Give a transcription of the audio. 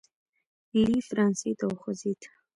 لی فرانسې ته وخوځېد.